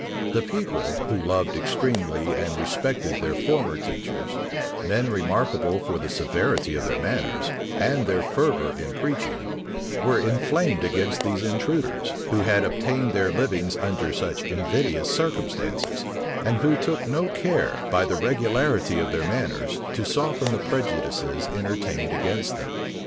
The people, who loved extremely and respected their former teachers; men remarkable for the severity of their manners, and their fervor in preaching; were inflamed against these intruders, who had obtained their livings under such invidious circumstances, and who took no care, by the regularity of their manners, to soften the prejudices entertained against them.